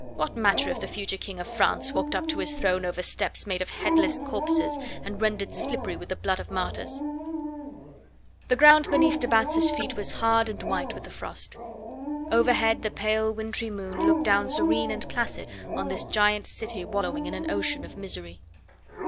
What matter if the future King of France walked up to his throne over steps made of headless corpses and rendered slippery with the blood of martyrs? The ground beneath de Batz' feet was hard and white with the frost. Overhead the pale, wintry moon looked down serene and placid on this giant city wallowing in an ocean of misery.